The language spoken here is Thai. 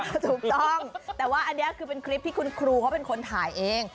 ก็ถูกต้องแต่ว่าอันนี้คือเป็นคลิปที่คุณครูเขาเป็นคนถ่ายเอง